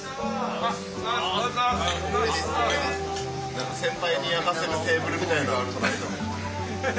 何か先輩に焼かせるテーブルみたいに撮られとる。